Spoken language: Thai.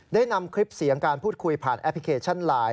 ได้นำคลิปเสียงการพูดคุยผ่านแอปพลิเคชันไลน์